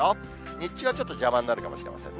日中はちょっと邪魔になるかもしれませんね。